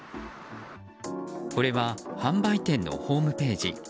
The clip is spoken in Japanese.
これは、販売店のホームページ。